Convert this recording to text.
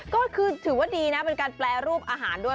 ก็คือถือว่าดีนะเป็นการแปรรูปอาหารด้วย